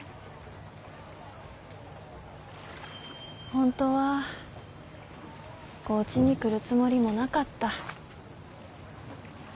本当は高知に来るつもりもなかった。